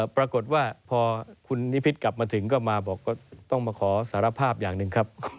ปรากฏว่าพอคุณนิพิษกลับมาถึงก็มาบอกก็ต้องมาขอสารภาพอย่างหนึ่งครับ